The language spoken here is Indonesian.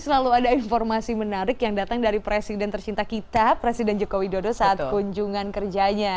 selalu ada informasi menarik yang datang dari presiden tercinta kita presiden joko widodo saat kunjungan kerjanya